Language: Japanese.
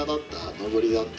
上りだった？